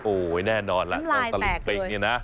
โอ้โหแน่นอนล่ะเจ้าตะลิงปิงเนี่ยนะ